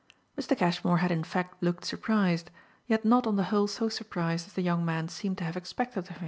Mr. Cashmore had in fact looked surprised, yet not on the whole so surprised as the young man seemed to have expected of him.